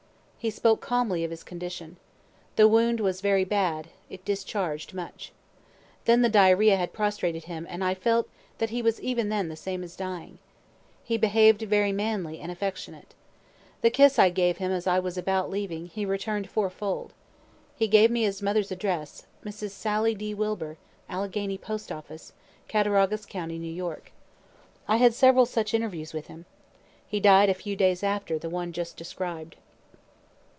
He spoke calmly of his condition. The wound was very bad, it discharg'd much. Then the diarrhoea had prostrated him, and I felt that he was even then the same as dying. He behaved very manly and affectionate. The kiss I gave him as I was about leaving he return'd fourfold. He gave me his mother's address, Mrs. Sally D. Wilber, Alleghany pest office, Cattaraugus county, N. Y. I had several such interviews with him. He died a few days after the one just described.